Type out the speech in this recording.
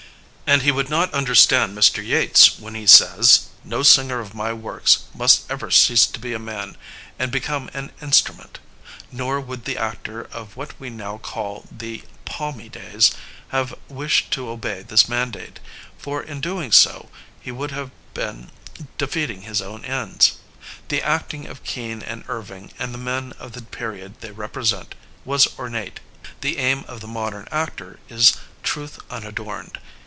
And he would not understand Mr. Teats when he says, No singer of my works must ever cease to be a man and become an instrument'^; nor would the actor of what we now call the palmy days'' have wished to obey this mandate, for in do ing so he would have been defeating his own ends. The acting of Kean and Irving and the men of the period they represent, was ornate. The aim of the modem actor is truth unadorned.